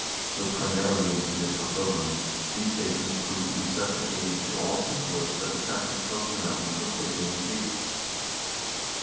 Though primarily intended for pilgrims, these stations proved to be such an aid to all travelers that the traffic across the mountains was greatly increased.